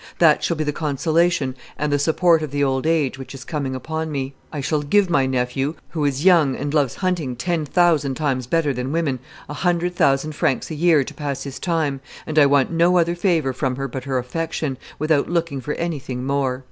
That shall be the consolation and the support of the old age which is coming upon me. I shall give my nephew, who is young and loves hunting ten thousand times better than women, a hundred thousand francs a year to pass his time, and I want no other favor from her but her affection, without looking for anything more."